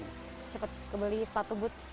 cepet kebeli sepatu but